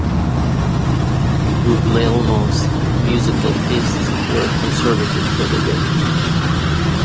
Guglielmo's musical tastes were conservative for the day.